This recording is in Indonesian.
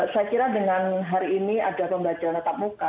saya kira dengan hari ini ada pembelajaran tetap muka